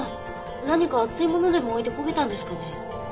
何か熱いものでも置いて焦げたんですかね？